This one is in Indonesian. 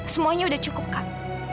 semuanya udah cukup kak